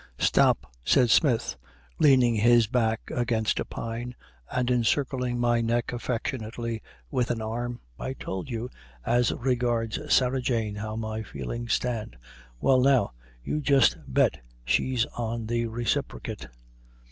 "Stop," said Smith, leaning his back against a pine, and encircling my neck affectionately with an arm; "I told you, as regards Sarah Jane, how my feelings stand. Well, now, you just bet she's on the reciprocate!